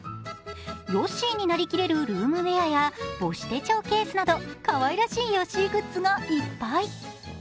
ヨッシーになりきれるルームウエアや母子手帳ケースなどかわいらしいヨッシーグッズがいっぱい。